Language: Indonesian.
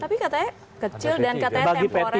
tapi katanya kecil dan katanya temporer